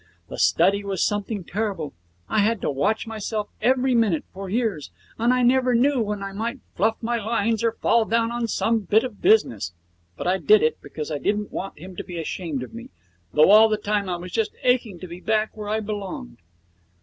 The study was something terrible. I had to watch myself every minute for years, and I never knew when I might fluff my lines or fall down on some bit of business. But I did it, because I didn't want him to be ashamed of me, though all the time I was just aching to be back where I belonged.'